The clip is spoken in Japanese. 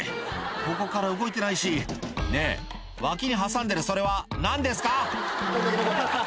「ここから動いてないし」ねぇ脇に挟んでるそれは何ですか？